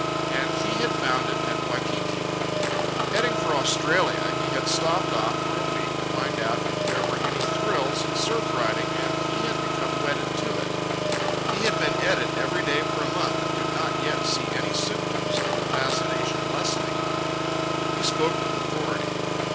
And he had found it at Waikiki. Heading for Australia, he had stopped off for a week to find out if there were any thrills in surf riding, and he had become wedded to it. He had been at it every day for a month and could not yet see any symptoms of the fascination lessening on him. He spoke with authority.